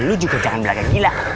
eh lu juga jangan beragak gila